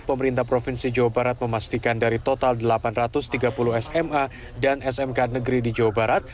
pemerintah provinsi jawa barat memastikan dari total delapan ratus tiga puluh sma dan smk negeri di jawa barat